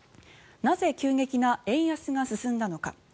なぜ、急激な円安が進んだのか。